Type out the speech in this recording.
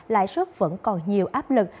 lãi suất vẫn còn nhiều áp lực